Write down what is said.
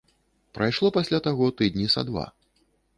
Прайшло пасля таго тыдні са два.